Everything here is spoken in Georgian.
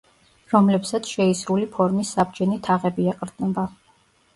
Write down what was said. რომლებსაც შეისრული ფორმის საბჯენი თაღები ეყრდნობა.